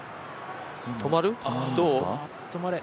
止まる？どう？